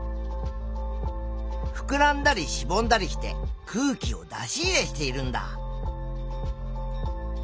ふくらんだりしぼんだりして空気を出し入れしているんだ。